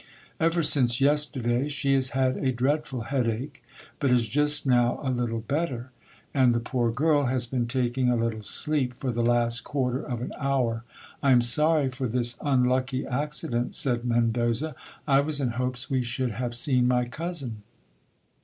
142 GIL BLAS. Ever since yesterday she has had a dreadful headache, but is just now a little better ; and the poor girl has been taking a little sleep for the last quarter of an | hour. I am sorry for this unlucky accident, said Mendoza, I was in hopes we should have seen my cousin.